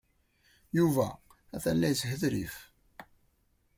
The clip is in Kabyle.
Yuba atan la yeshetrif.